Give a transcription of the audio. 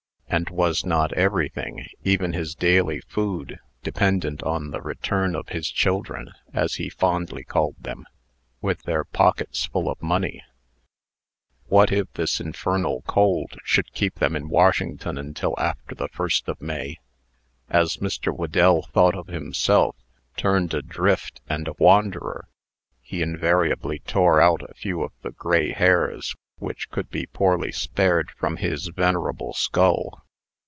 And was not everything even his daily food dependent on the return of his children, as he fondly called them, with their pockets full of money? What if this infernal cold should keep them in Washington until after the 1st of May? As Mr. Whedell thought of himself, turned adrift, and a wanderer, he invariably tore out a few of the gray hairs which could be poorly spared from his venerable skull.